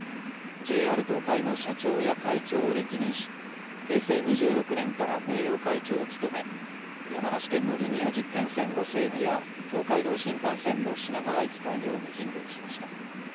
ＪＲ東海の社長や会長を歴任し、平成２６年から名誉会長を務め、山梨県のリニア実験線の整備や、東海道新幹線の品川駅開業に尽力しました。